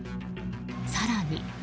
更に。